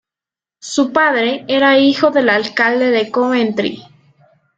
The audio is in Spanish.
Su padre era hijo del alcalde de Coventry.